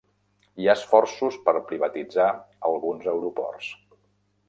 Hi ha esforços per privatitzar alguns aeroports.